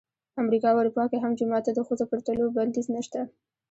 امریکا او اروپا کې هم جومات ته د ښځو پر تلو بندیز نه شته.